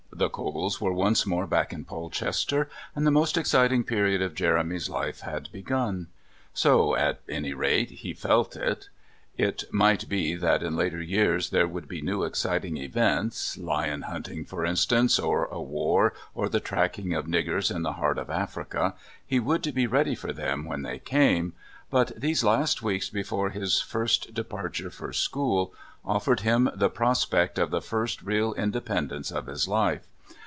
The Coles were once more back in Polchester, and the most exciting period of Jeremy's life had begun. So at any rate he felt it. It might be that in later years there would be new exciting events, lion hunting, for instance, or a war, or the tracking of niggers in the heart of Africa he would be ready for them when they came but these last weeks before his first departure for school offered him the prospect of the first real independence of his life.